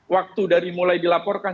waktu dari mulai dilaporkan